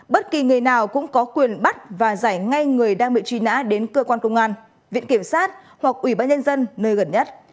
bất kỳ người nào cũng có quyền bắt và giải ngay người đang bị truy nã đến cơ quan công an viện kiểm sát hoặc ủy ban nhân dân nơi gần nhất